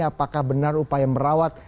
apakah benar upaya merawat